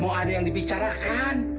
mau ada yang dibicarakan